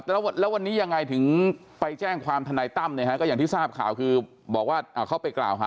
แล้ววันนี้ยังไงถึงไปแจ้งความทนายตั้มเนี่ยฮะก็อย่างที่ทราบข่าวคือบอกว่าเขาไปกล่าวหา